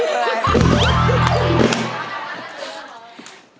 จัง